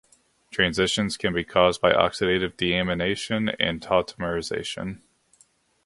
Transitions can be caused by oxidative deamination and tautomerization.